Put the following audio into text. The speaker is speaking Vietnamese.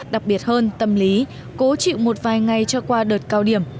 đặc biệt hơn tâm lý cũng chịu một vài ngày cho qua đợt cao điểm